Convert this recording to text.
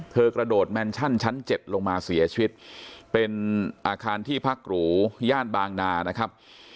กระโดดแมนชั่นชั้น๗ลงมาเสียชีวิตเป็นอาคารที่พักหรูย่านบางนานะครับ